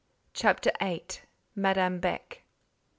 CHAPTER VIII. MADAME BECK.